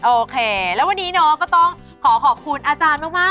โอเคแล้ววันนี้เนาะก็ต้องขอขอบคุณอาจารย์มาก